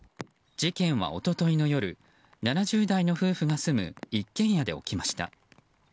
事件は一昨日の夜７０代の夫婦が住む一軒家で起きました。